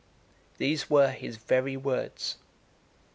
These were his very words.